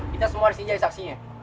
kita semua harusnya jadi saksinya